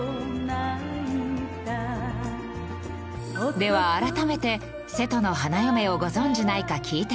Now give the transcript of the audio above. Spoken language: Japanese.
では改めて瀬戸の花嫁をご存じないか聞いてみると。